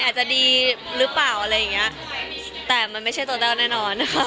อาจจะดีหรือเปล่าอะไรอย่างเงี้ยแต่มันไม่ใช่ตัวแต้วแน่นอนนะคะ